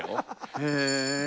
へえ。